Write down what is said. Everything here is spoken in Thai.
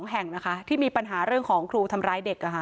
๒แห่งนะคะที่มีปัญหาเรื่องของครูทำร้ายเด็ก